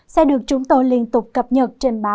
sẽ được chúng tôi liên tục phát triển